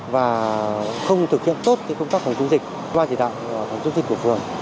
và không thực hiện tốt công tác phòng chống dịch qua chỉ đạo phòng chống dịch của phường